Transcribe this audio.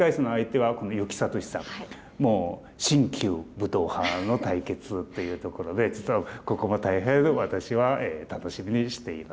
ちょうど新旧武闘派の対決というところで実はここも大変私は楽しみにしています。